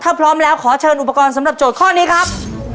ถ้าพร้อมแล้วขอเชิญอุปกรณ์สำหรับโจทย์ข้อนี้ครับ